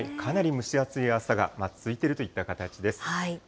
かなり蒸し暑い朝が続いているといった形です。